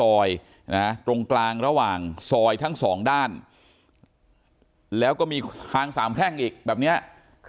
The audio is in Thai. โอ้โหหลายเรื่องอ่ะบ้านหลังนี้หลายอย่างเลยอ่ะ